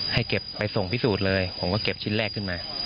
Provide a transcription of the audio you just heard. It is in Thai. ให้เก็บไปส่งพิสูจน์เลยผมก็เก็บชิ้นแรกขึ้นมา